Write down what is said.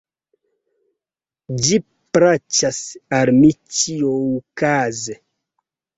Ĝi plaĉas al mi ĉiuokaze!